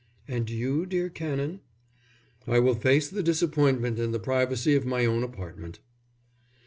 "And you, dear Canon?" "I will face the disappointment in the privacy of my own apartment."